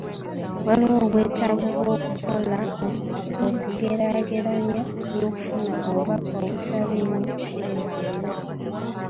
Waaliwo obwetaavu bw’okukola okugeraageranya n’okufuna obubaka obutaliimu kyekubiira.